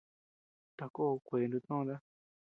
Takoo kuee nutnóta.